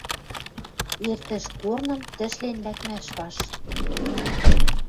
Эртӹш корным тӹшлен лӓкмӓш вашт.